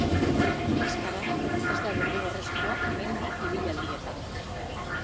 Maskara ez da derrigorrezkoa mendi ibilaldietan.